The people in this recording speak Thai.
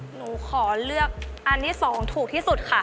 หนูขอเลือกอันที่๒ถูกที่สุดค่ะ